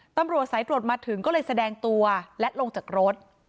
ตำรวจสายตรวจมาถึงก็เลยแสดงตัวและลงจากรถ